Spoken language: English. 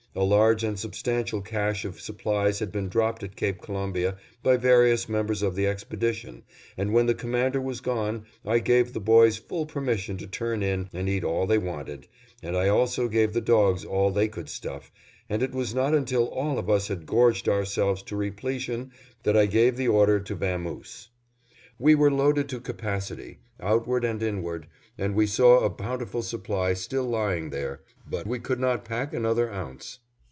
A large and substantial cache of supplies had been dropped at Cape Columbia by various members of the expedition and when the Commander was gone, I gave the boys full permission to turn in and eat all they wanted, and I also gave the dogs all they could stuff, and it was not until all of us had gorged ourselves to repletion that I gave the order to vamoose. We were loaded to capacity, outward and inward, and we saw a bountiful supply still lying there, but we could not pack another ounce.